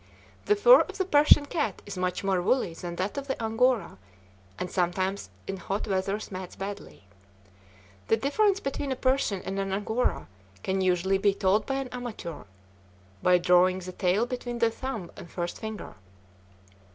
The fur of the Persian cat is much more woolly than that of the Angora, and sometimes in hot weather mats badly. The difference between a Persian and an Angora can usually be told by an amateur, by drawing the tail between the thumb and first finger.